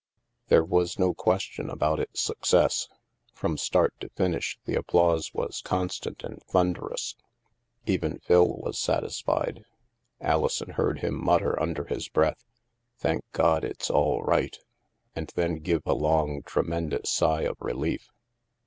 There was no question about its success. From start to finish, the applause was constant and thun derous. Even Phil was satisfied. Alison heard him mutter under his breath, " Thank God, it's all right! " and then give a long tremulous sigh of re lief.